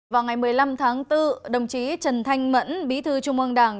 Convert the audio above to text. vào ngày một mươi năm tháng bốn đồng chí trần thanh mẫn bí thư trung ương đảng